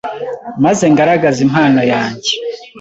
maze ngaragaze impano yange